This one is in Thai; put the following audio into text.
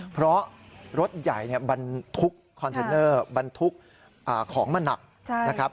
เพราะรถใหญ่บรรทุกคอนเทนเนอร์บรรทุกของมันหนักนะครับ